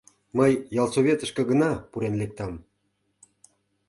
Мый ялсоветышке гына пурен лектам.